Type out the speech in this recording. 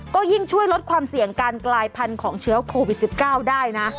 ก็ยิ่งช่วยลดความเสี่ยงการกลายพันธุ์ของเชื้อโควิด๑๙ได้นะ